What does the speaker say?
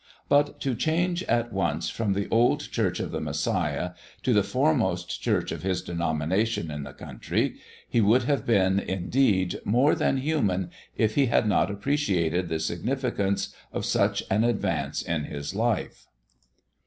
But, to change at once from the old Church of the Messiah to the foremost church of his denomination in the country he would have been, indeed, more than human if he had not appreciated the significance of such an advance in his life.